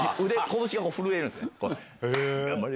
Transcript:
拳が震えるんです。